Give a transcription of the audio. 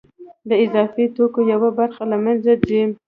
د اضافي توکو یوه برخه له منځه ځي